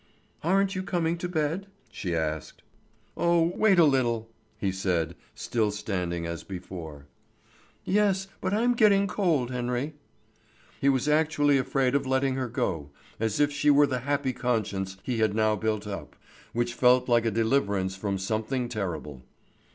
"Aren't you coming to bed?" she asked. "Oh, wait a little!" he said, still standing as before. "Yes, but I'm getting cold, Henry." He was actually afraid of letting her go, as if she were the happy conscience he had now built up, which felt like a deliverance from something terrible.